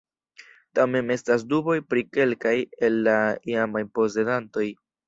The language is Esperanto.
Tamen estas duboj pri kelkaj el la iamaj posedantoj.